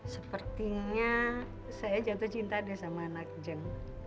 sepertinya saya jatuh cinta deh sama anak jeng